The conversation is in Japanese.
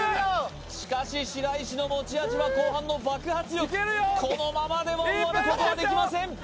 しかし白石の持ち味は後半の爆発力このままでは終わることはできません